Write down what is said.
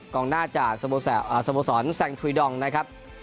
กองหน้าจากสโมสรแซงทุยดองนะครับ